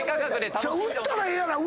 売ったらええやない。